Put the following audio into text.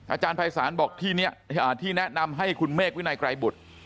อาจารย์ภัยศาลบอกที่นี้ที่แนะนำให้คุณเมฆวินัยไกรบุตร